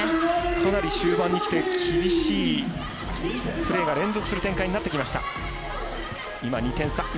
かなり終盤にきて厳しいプレーが連続する展開になってきました。